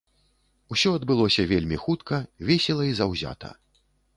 Усё адбылося вельмі хутка, весела і заўзята.